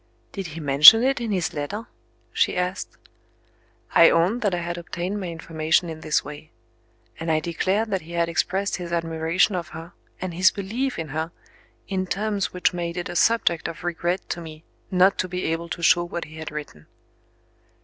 "Did he mention it in his letter?" she asked. I owned that I had obtained my information in this way. And I declared that he had expressed his admiration of her, and his belief in her, in terms which made it a subject of regret to me not to be able to show what he had written.